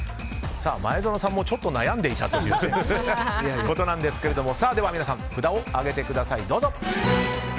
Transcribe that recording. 前園さんもちょっと悩んでいたということなんですが皆さん、札を上げてください。